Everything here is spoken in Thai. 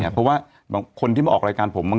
เพราะว่าบางคนที่มาออกรายการผม